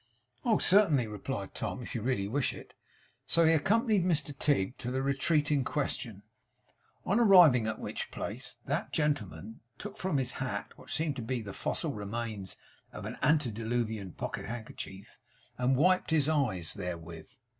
'Oh, certainly,' replied Tom, 'if you really wish it.' So he accompanied Mr Tigg to the retreat in question; on arriving at which place that gentleman took from his hat what seemed to be the fossil remains of an antediluvian pocket handkerchief, and wiped his eyes therewith.